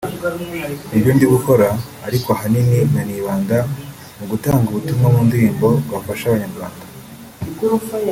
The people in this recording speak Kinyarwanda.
nibyo ndi gukora ariko ahanini nanibanda mu gutanga ubutumwa mu ndirimbo bwafasha abanyarwanda